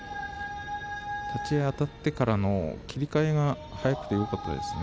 立ち合い、あたってからの切り替えがよかったですね。